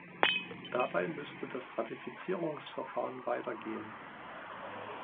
Dabei müsste das Ratifizierungsverfahren weitergehen.